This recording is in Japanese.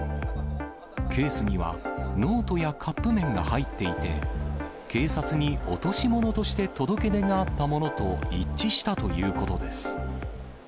ケースには、ノートやカップ麺が入っていて、警察に落とし物として届け出があったものと一致したということです。